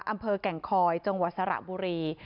อำเภอแก่งคอยจังหวัดสระบุรี